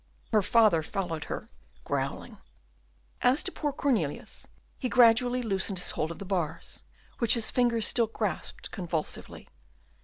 Her father followed her, growling. As to poor Cornelius, he gradually loosened his hold of the bars, which his fingers still grasped convulsively.